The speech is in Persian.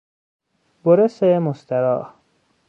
برس مستراح